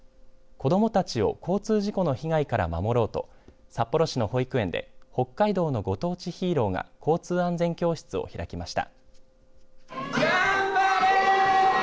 子どもたちを交通事故の被害から守ろうと札幌市の保育園で北海道のご当地ヒーローが交通安全教室を開きました。